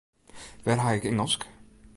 Wêr ha ik Ingelsk?